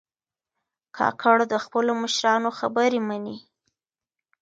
کاکړ د خپلو مشرانو خبرې منې.